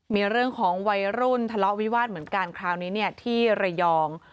มีเรื่องของวัยรุ่นทะเลาะวิวาสเหมือนกันคราวนี้เนี่ยที่ระยอง